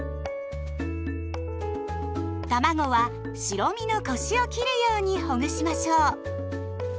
たまごは白身のコシを切るようにほぐしましょう。